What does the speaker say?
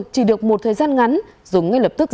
chỉ được một thời gian ngắn dùng ngay lập tức